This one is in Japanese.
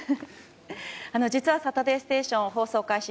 実は「サタデーステーション」放送開始